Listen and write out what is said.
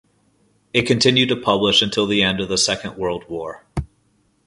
It continued to publish until the end of the Second World War.